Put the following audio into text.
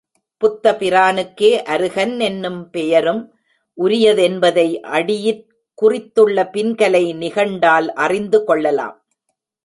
புத்தபிரானுக்கே அருகன் என்னும் பெயரும் உரியதென்பதை அடியிற் குறித்துள்ள பின்கலை நிகண்டால் அறிந்து கொள்ளலாம்.